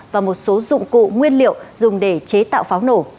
và một số dụng cụ nguyên liệu dùng để chế tạo pháo nổ